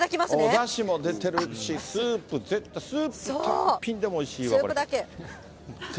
おだしも出てるし、スープ絶対、スープだけでもおいしいから。